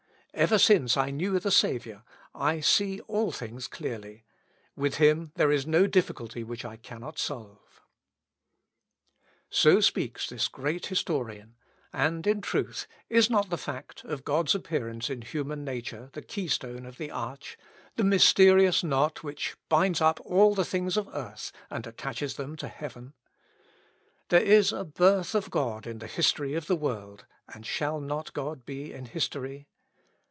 Ever since I knew the Saviour, I see all things clearly; with him there is no difficulty which I cannot solve." Letter to Charles Bonnet. So speaks this great historian; and, in truth, is not the fact of God's appearance in human nature the key stone of the arch, the mysterious knot which binds up all the things of earth, and attaches them to heaven? There is a birth of God in the history of the world, and shall God not be in history?